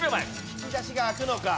引き出しが開くのか？